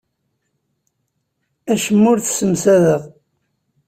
Acemma ur t-ssemsadeɣ.